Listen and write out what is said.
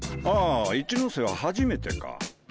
ああ一ノ瀬は初めてか。